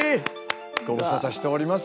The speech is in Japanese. ご無沙汰しております。